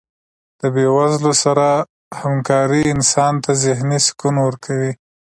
د بې وزلو سره هکاري انسان ته ذهني سکون ورکوي.